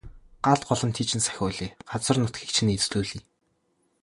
Гал голомтыг чинь сахиулъя. Газар нутгийг чинь эзлүүлъе.